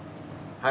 はい。